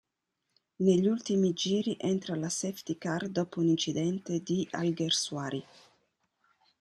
Negli ultimi giri entra la safety car dopo un incidente di Alguersuari.